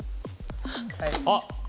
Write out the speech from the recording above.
あっ。